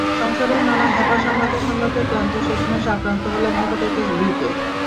সংসারের নানা হ্যাপা সামলাতে সামলাতে ক্লান্ত হয়ে শেষমেশ আক্রান্ত হলাম হ্যাপাটাইটিস বি-তে।